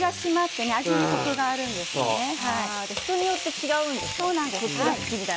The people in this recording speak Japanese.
鶏によって違うんですね。